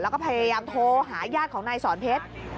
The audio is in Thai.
แล้วก็พยายามโทรหาญาติของนายสอนเพชร